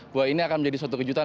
bahwa ini akan menjadi suatu kejutan